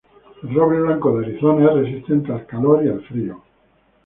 El roble blanco de Arizona es resistente al calor y al frío.